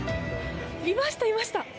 いました、いました。